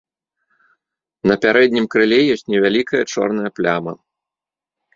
На пярэднім крыле ёсць невялікая чорная пляма.